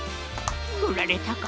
ふられたか。